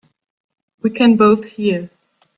We can both hear.